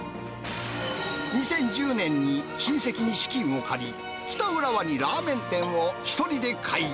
２０１０年に親戚に資金を借り、北浦和にラーメン店を１人で開業。